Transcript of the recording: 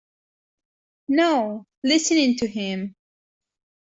No, listening to him.